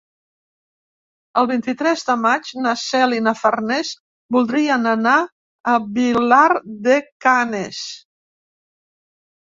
El vint-i-tres de maig na Cel i na Farners voldrien anar a Vilar de Canes.